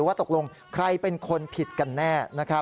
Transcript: ว่าตกลงใครเป็นคนผิดกันแน่